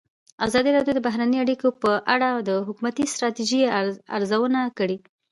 ازادي راډیو د بهرنۍ اړیکې په اړه د حکومتي ستراتیژۍ ارزونه کړې.